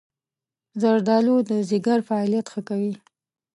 زردآلو د ځيګر فعالیت ښه کوي.